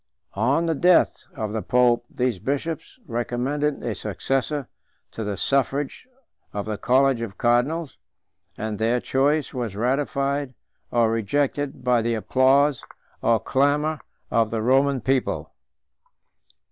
On the death of the pope, these bishops recommended a successor to the suffrage of the college of cardinals, 126 and their choice was ratified or rejected by the applause or clamor of the Roman people.